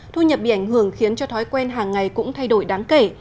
thu nhập bị ảnh hưởng khiến cho thói quen hàng ngày cũng thay đổi đáng kể